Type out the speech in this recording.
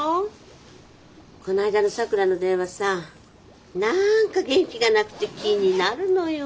この間のさくらの電話さあなんか元気がなくて気になるのよ。